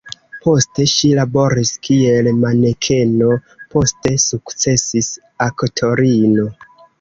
Poste ŝi laboris kiel manekeno, poste sukcesa aktorino.